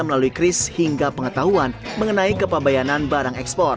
melalui kris hingga pengetahuan mengenai kepabayanan barang ekspor